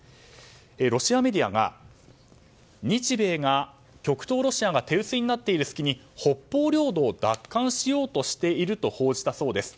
ロシアメディアが日米が極東ロシアが手薄になっている隙に北方領土を奪還しようとしていると報じたそうです。